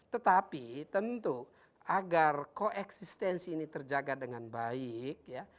tetapi tentu agar koeksistensi ini terjaga dengan baik ya